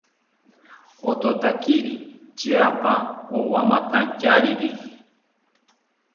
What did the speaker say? Ototakiri tyaapa owamantyariri